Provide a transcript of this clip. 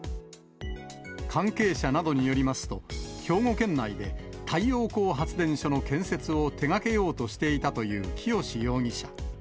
関係者などによりますと、兵庫県内で太陽光発電所の建設を手がけようとしていたという清志容疑者。